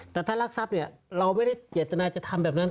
แต่ถ้ารักทรัพย์เนี่ยเราไม่ได้เจตนาจะทำแบบนั้น